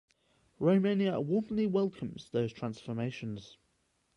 Romania warmly welcomes those transformations.